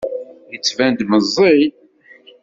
Yettban-d meẓẓi.